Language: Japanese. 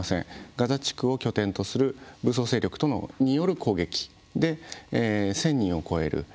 ガザ地区を拠点とする武装勢力による攻撃で１，０００人を超える方々